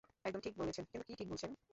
একদম ঠিক বলেছেন, কিন্তু কী ঠিক বলছেন?